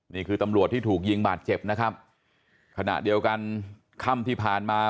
นี่คือตำรวจที่ถูกยิงบาดเจ็บนะครับขณะเดียวกันค่ำที่ผ่านมา